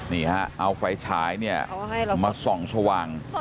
นี่ฮะเอาไฟฉายเนี่ยมาส่องสว่าง